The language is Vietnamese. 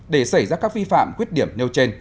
để xảy ra các vi phạm khuyết điểm nêu trên